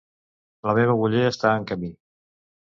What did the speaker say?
La meva muller està en camí.